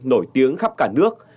nổi tiếng khắp cả nước